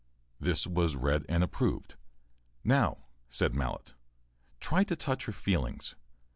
[This was duly read and approved. "Now," said Mallett, "try to touch her feelings.